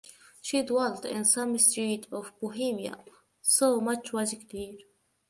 She dwelt in some street of Bohemia; so much was clear.